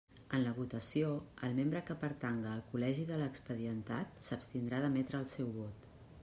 En la votació, el membre que pertanga al col·legi de l'expedientat, s'abstindrà d'emetre el seu vot.